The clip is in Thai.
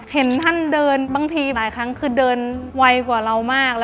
เห็นท่านเดินบางทีหลายครั้งคือเดินไวกว่าเรามาก